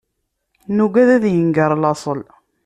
Nugad ad yenger laṣel.